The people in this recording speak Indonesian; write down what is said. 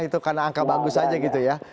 itu karena angka bagus saja gitu ya